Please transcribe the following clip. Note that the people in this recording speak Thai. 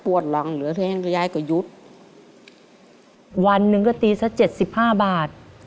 วันหนึ่งก็ตีซะ๗๕บาท